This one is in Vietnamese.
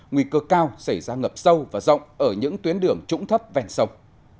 nguy cơ cao sẽ ra ngập sâu và rộng ở những tuyến đường trũng thấp vèn sông